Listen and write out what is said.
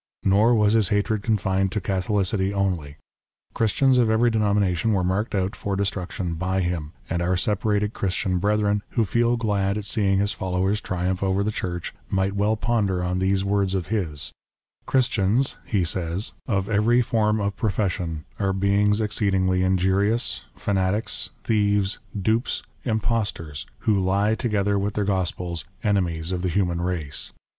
Nor was his hatred confined to Catholicity only. Christians of every denomination were marked out for des truction by him ; and our separated Christian brethren, who feel glad at seeing his followers triumph over the Church, might well ponder on these words of his: " Christians," he says, "of every form of profession, are beings exceedingly injurious, fanatics, thieves, dupes, impostors, who lie together with their gospels, enemies of the human race."